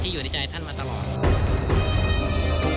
อยู่ในใจท่านมาตลอด